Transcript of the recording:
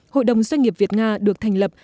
hội đồng doanh nghiệp việt nga được thành lập